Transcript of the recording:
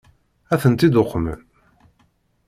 Ad tent-id-uqmen?